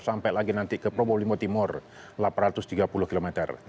sampai lagi nanti ke provo lima timur delapan ratus tiga puluh kilometer